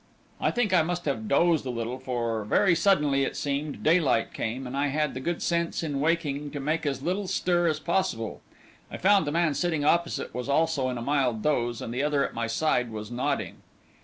"I think I must have dozed a little, for very suddenly, it seemed, daylight came, and I had the good sense in waking to make as little stir as possible. I found the man sitting opposite was also in a mild doze, and the other at my side was nodding.